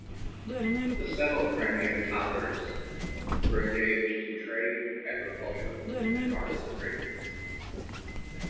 The settled Crimean Tatars were engaged in trade, agriculture, and artisanry.